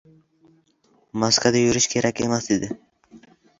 Maskada yurish kerak emas dedi.